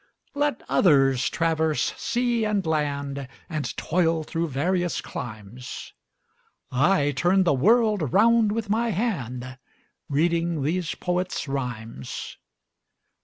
Let others traverse sea and land, And toil through various climes, 30 I turn the world round with my hand Reading these poets' rhymes.